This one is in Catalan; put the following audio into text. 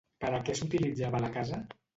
Per a què s'utilitzava la casa?